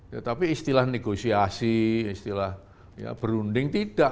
tetapi istilah negosiasi istilah ya berunding tidak